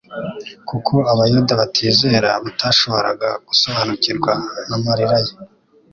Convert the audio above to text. Kuko Abayuda batizera batashoboraga gusobanukirwa n'amarira ye